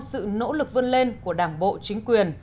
sự nỗ lực vươn lên của đảng bộ chính quyền